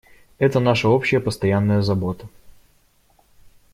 Это наша общая постоянная забота.